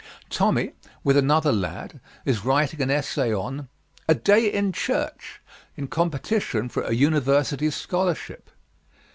Tommy, with another lad, is writing an essay on "A Day in Church," in competition for a university scholarship.